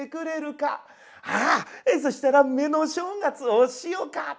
「ああそしたら目の正月をしようか」。